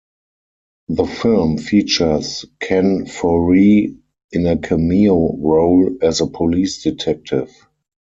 The film features Ken Foree in a cameo role as a police detective.